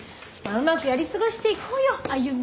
うまくやり過ごしていこうよ歩ちゃん！